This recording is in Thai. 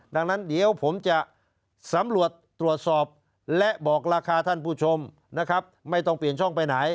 ดังนั้นเดี๋ยวผมจะสำรวจตรวจสอบและบอกราคาท่านผู้ชมนะครับไม่ต้องเปลี่ยนช่องไปไหน